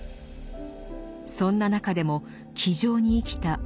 そんな中でも気丈に生きた